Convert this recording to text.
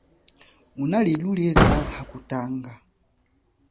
Nguna lilulieka hakutanga.